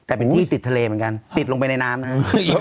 แต่เป็นยี่ติดทะเลเหมือนกันติดลงไปในน้ำนะครับ